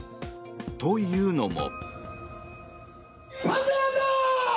というのも。